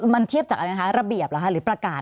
มันเทียบจากอะไรนะคะระเบียบหรือประกาศ